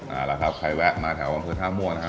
เอาละครับใครแวะมาแถวอำเภอท่าม่วงนะครับ